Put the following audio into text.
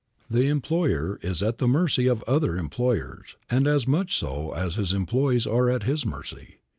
The employer is at the mercy of other employers, and as much so as his employees are at his mercy.